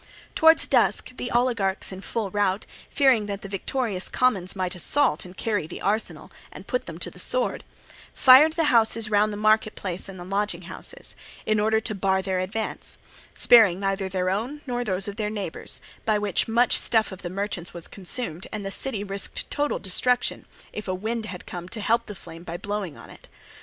Towards dusk, the oligarchs in full rout, fearing that the victorious commons might assault and carry the arsenal and put them to the sword, fired the houses round the marketplace and the lodging houses, in order to bar their advance; sparing neither their own, nor those of their neighbours; by which much stuff of the merchants was consumed and the city risked total destruction, if a wind had come to help the flame by blowing on it.